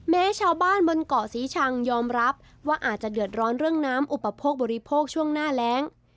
แม้ชาวบ้านบนเกาะศรีชังยอมรับว่าอาจจะเดือดร้อนเรื่องน้ำอุปโภคบริโภคช่วงหน้าแรง